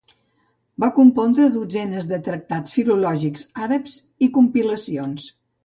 Va compondre dotzenes de tractats filològics àrabs i compilacions.